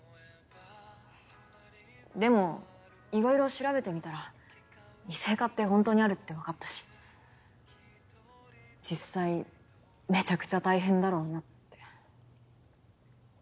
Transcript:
でも色々調べてみたら異性化ってホントにあるって分かったし実際めちゃくちゃ大変だろうなって。